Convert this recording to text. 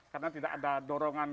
karena tidak ada dorongan